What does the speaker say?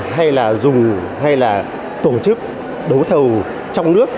hay là dùng hay là tổ chức đấu thầu trong nước